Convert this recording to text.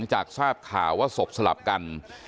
จากทราบข่าวว่าศพสลับกัน